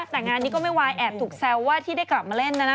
แต่งานนี้ก็ไม่วายแอบถูกแซวว่าที่ได้กลับมาเล่นนะนะ